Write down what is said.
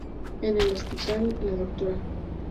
En el hospital, la Dra.